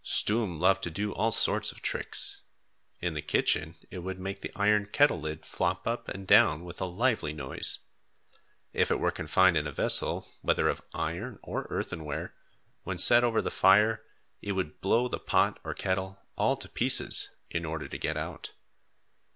Stoom loved to do all sorts of tricks. In the kitchen, it would make the iron kettle lid flop up and down with a lively noise. If it were confined in a vessel, whether of iron or earthenware, when set over the fire, it would blow the pot or kettle all to pieces, in order to get out.